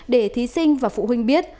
để thí sinh và phụ huynh biết